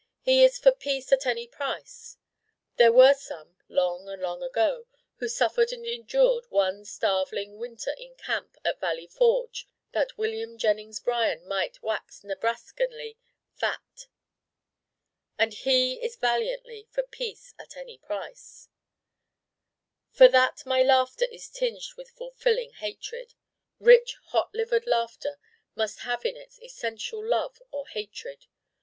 He is for 'peace at any price.' There were some, long and long ago, who suffered and endured one starveling winter in camp at Valley Forge that William Jennings Bryan might wax Nebraskanly fat: and he is valiantly for peace: at any price For that my Laughter is tinged with fulfilling hatred. Rich hot livered Laughter must have in it essential love or hatred.